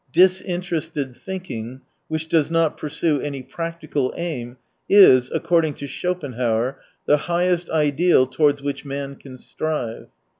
" Disin terested thinking," which does not pursue any practical aim, is, according to Schopen hauer, the highest ideal towards which man can strive.